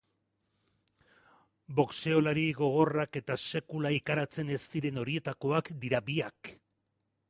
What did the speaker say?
Boxeolari gogorrak eta sekula ikaratzen ez diren horietakoak dira biak.